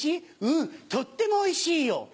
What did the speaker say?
「うんとってもおいしいよ」。